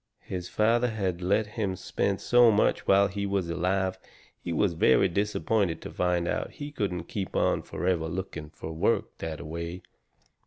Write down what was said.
His father had let him spend so much whilst he was alive he was very disappointed to find out he couldn't keep on forever looking fur work that a way.